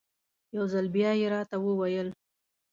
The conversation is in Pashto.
یو ځل بیا یې راته وویل.